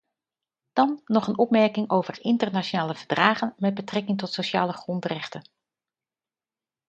Dan nog een opmerking over internationale verdragen met betrekking tot sociale grondrechten.